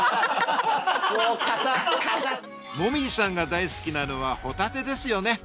紅葉さんが大好きなのはホタテですよね。